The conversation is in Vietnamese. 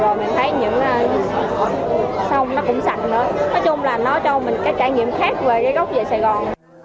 rồi mình thấy những sông nó cũng sạch nữa nói chung là nó cho mình cái trải nghiệm khác về cái gốc về sài gòn